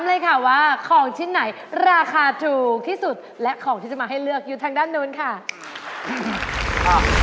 ระหว่างที่ดูแก๊งปวดโดนราคานะ